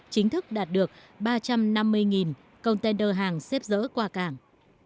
chính thức đạt được ba trăm năm mươi container hàng xếp dỡ qua cảng